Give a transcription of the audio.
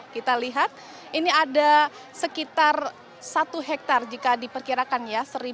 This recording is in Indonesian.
kita lihat ini ada sekitar satu hektare jika diperkirakan ya